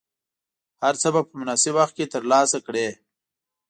هر څه به په مناسب وخت کې ترلاسه کړې.